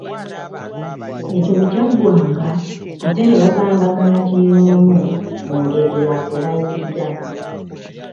Ekyo bwe kyaggwanga ate ne bagambagana kinnoomu, mu ngeri ya kulayirira.